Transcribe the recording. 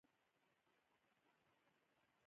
کله – کله باران بازي درولای سي.